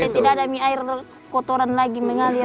tidak ada air kotoran lagi mengalir